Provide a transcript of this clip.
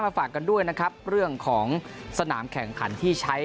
ฝากกันด้วยนะครับเรื่องของสนามแข่งขันที่ใช้